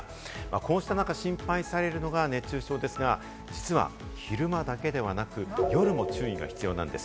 こうした中、心配されるのが熱中症ですが、実は昼間だけではなく、夜も注意が必要なんです。